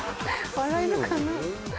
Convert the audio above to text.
笑えるかな？